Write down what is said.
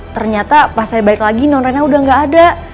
ternyata pas saya balik lagi nontonnya udah gak ada